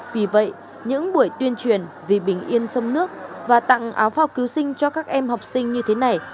vì vậy những buổi tuyên truyền vì bình yên sông nước và tặng áo phao cứu sinh cho các em học sinh như thế này